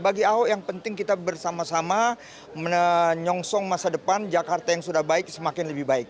bagi ahok yang penting kita bersama sama menyongsong masa depan jakarta yang sudah baik semakin lebih baik